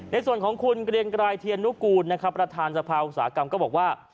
ในส่วนของคุณเกรียงไกรเทียนุกูลนะครับประธานสภาอุตสาหกรรมก็บอกว่า